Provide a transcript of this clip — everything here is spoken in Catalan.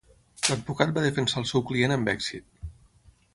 L'advocat va defensar el seu client amb èxit.